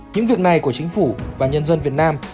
những việc này của chính phủ và nhân dân việt nam